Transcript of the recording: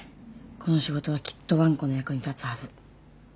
この仕事はきっとわんこの役に立つはず。